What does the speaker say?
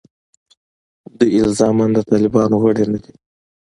دوی الزاماً د طالبانو غړي نه دي.